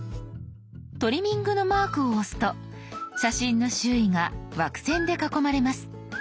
トリミングのマークを押すと写真の周囲が枠線で囲まれます。